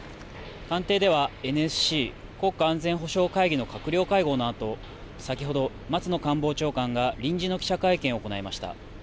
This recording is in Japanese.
官邸ではＮＳＣ・国家安全保障会議の閣僚会合のあと、先ほど松野官房長官が臨時の記者会見を行いました。